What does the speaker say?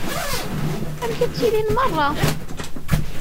Amek i ttilin meṛṛa?